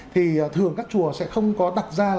thì thường các chùa sẽ không có đặt ra